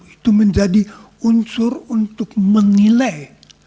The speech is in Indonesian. itu menjadi unsur untuk menilai